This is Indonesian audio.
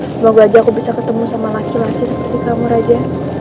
semoga aja aku bisa ketemu sama laki laki seperti kamu raja